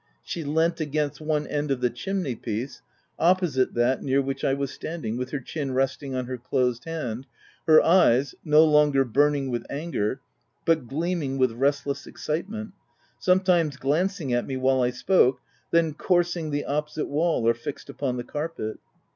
She leant against one end of the chimneypiece 5 opposite that near which I was standing, with her chin resting on her closed hand, her eyes — no longer burning with anger, but gleaming with restless excitement — sometimes glancing at me while I spoke, then coursing the opposite wall, or fixed upon the carpet.